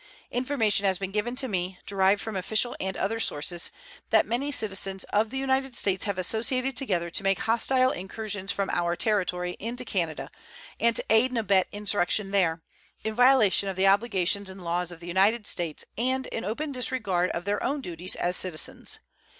Information has been given to me, derived from official and other sources, that many citizens of the United States have associated together to make hostile incursions from our territory into Canada and to aid and abet insurrection there, in violation of the obligations and laws of the United States and in open disregard of their own duties as citizens.